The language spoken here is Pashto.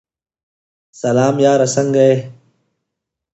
سلام یاره سنګه یی ؟